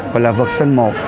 gọi là vật sân một